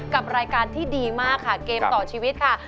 กับรายการที่ดีมากค่ะเกมต่อชีวิตค่ะ